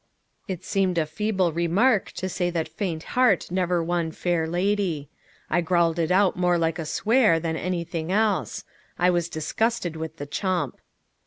It seemed a feeble remark to say that faint heart never won fair lady. I growled it out more like a swear than anything else. I was disgusted with the chump.